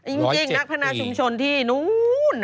จริงนักพนาชุมชนที่นู้น